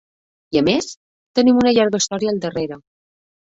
I a més, tenim una llarga història al darrere.